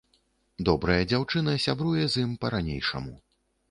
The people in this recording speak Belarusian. Добрая дзяўчына, сябруе з ім па-ранейшаму.